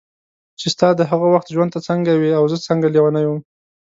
چې ستا د هغه وخت ژوند ته څنګه وې او زه څنګه لیونی وم.